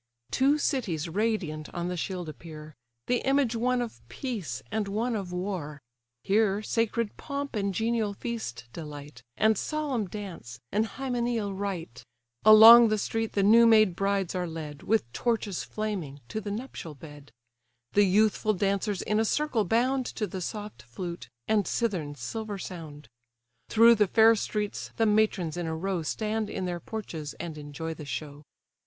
Two cities radiant on the shield appear, The image one of peace, and one of war. Here sacred pomp and genial feast delight, And solemn dance, and hymeneal rite; Along the street the new made brides are led, With torches flaming, to the nuptial bed: The youthful dancers in a circle bound To the soft flute, and cithern's silver sound: Through the fair streets the matrons in a row Stand in their porches, and enjoy the show.